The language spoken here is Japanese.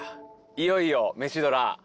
いよいよ『メシドラ』。